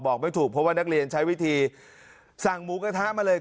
ไม่ถูกเพราะว่านักเรียนใช้วิธีสั่งหมูกระทะมาเลย